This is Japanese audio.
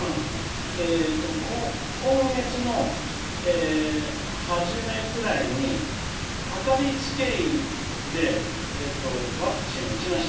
今月の初めくらいに掛かりつけ医でワクチンを打ちました。